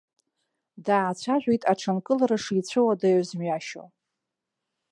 Даацәажәеит аҽынкылара шицәыуадаҩыз мҩашьо.